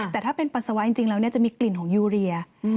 แต่ถ้าเป็นปัสสาวะจริงแล้วจะมีกลิ่นของยูเรีย